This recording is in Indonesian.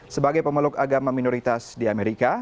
sebagai pemeluk agama minoritas di amerika